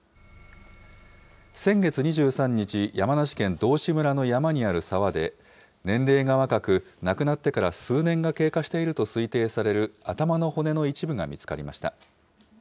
先月２３日、山梨県道志村の山にある沢で、年齢が若く、亡くなってから数年が経過していると推定される頭の骨の一部が見つかりました。